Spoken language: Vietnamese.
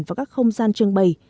và các không gian trương bày